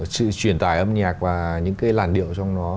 sự truyền tải âm nhạc và những cái làn điệu trong nó